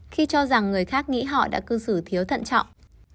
khi cho rằng người khác nghĩ họ đã cư xử thiếu thận trọng